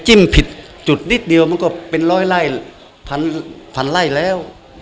ผิดจุดนิดเดียวมันก็เป็นร้อยไล่พันไล่แล้ว